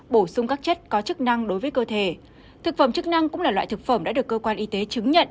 bổ sung các chất có chức năng đối với cơ thể thực phẩm chức năng cũng là loại thực phẩm đã được cơ quan y tế chứng nhận